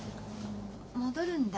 戻るんだ。